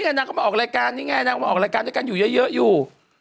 นางก็มาออกรายการนี่ไงนางมาออกรายการด้วยกันอยู่เยอะอยู่